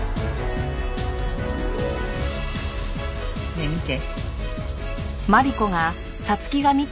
ねえ見て。